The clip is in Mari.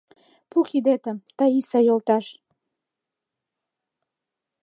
Пу кидетым, Таиса йолташ!